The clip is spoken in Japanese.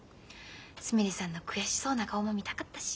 すみれさんの悔しそうな顔も見たかったし。